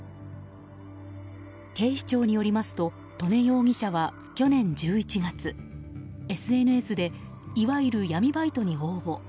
警視庁によりますと刀祢容疑者は去年１１月、ＳＮＳでいわゆる闇バイトに応募。